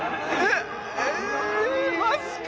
えマジか。